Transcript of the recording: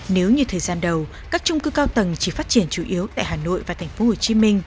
nếu như thời gian đầu các trung cư cao tầng chỉ phát triển chủ yếu tại hà nội và tp hcm